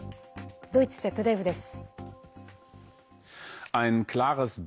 ドイツＺＤＦです。